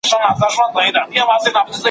علمي تحقیق د بشري پوهې د ترویج لپاره ضروري دی.